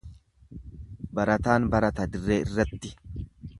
Barataan barata dirree irratti.